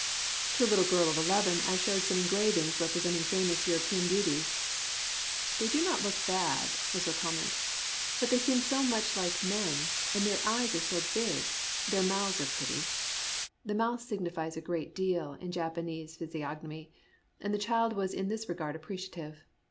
To a little girl of eleven I showed some engravings representing famous European beauties. "They do not look bad," was her com ment. " But they seem so much like men, and their eyes are so big !... Their mouths are pretty." The mouth signifies a great deal in Japa ABOUT FACES IN JAPANESE ART 123 nese physiognomy, and the child was in this regard appreciative.